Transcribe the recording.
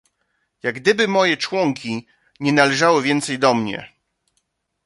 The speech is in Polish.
"Jak gdyby moje członki nie należały więcej do mnie."